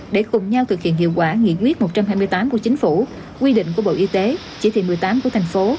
để cùng nhau thực hiện hiệu quả nghị quyết một trăm hai mươi tám của chính phủ quy định của bộ y tế chỉ thị một mươi tám của thành phố